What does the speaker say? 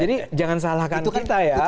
jadi jangan salahkan kita ya